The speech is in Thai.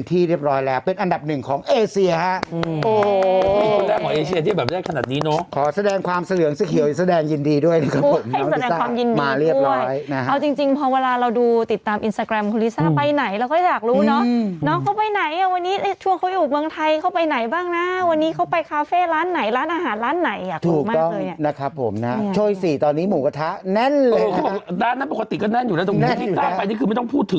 แต่ว่าบางคนเขาก็ไปไปก่อเป็นกำแพงไปหลังคาเหมือนกัน